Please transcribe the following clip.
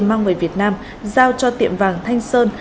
mang về việt nam giao cho tiệm vàng thanh sơn